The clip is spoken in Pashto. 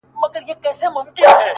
چي دي شراب؛ له خپل نعمته ناروا بلله؛